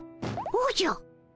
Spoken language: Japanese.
おじゃ！